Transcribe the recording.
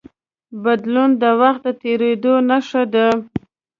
بدلون د وخت د تېرېدو نښه ده.